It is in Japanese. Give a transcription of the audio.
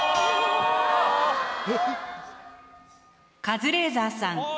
カズレーザーさん